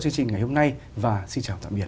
chương trình ngày hôm nay và xin chào tạm biệt